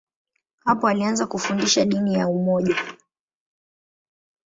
Hapo alianza kufundisha dini ya umoja.